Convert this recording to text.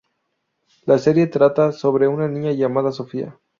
La serie trata sobre una niña llamada Sofía.